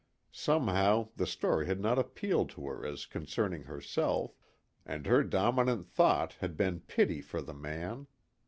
Somehow the story had not appealed to her as concerning herself, and her dominant thought had been pity for the man.